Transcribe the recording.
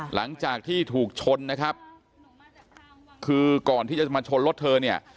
หลังจากที่ถูกชนนะครับคือก่อนที่จะมาชนรถเธอเนี่ย